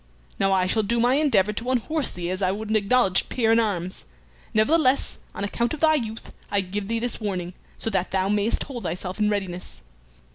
Now I shall do my endeavor to unhorse thee as I would an acknowledged peer in arms. Nevertheless, on account of thy youth, I give thee this warning, so that thou mayst hold thyself in readiness."